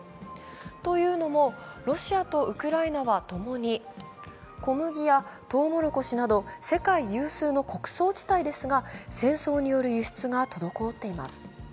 というのもロシアとウクライナは共に小麦やとうもろこしなど世界有数の穀倉地帯ですが、戦争による輸出が滞っています。